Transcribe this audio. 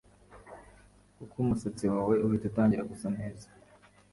kuko umusatsi wawe uhita utangira gusa neza